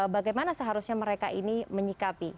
bagaimana seharusnya mereka ini menyikapi